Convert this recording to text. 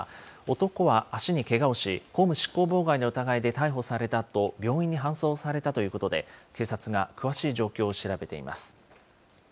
男は足にけがをし、公務執行妨害の疑いで逮捕されたあと、病院に搬送されたということで、警察が詳しい状況を調べています。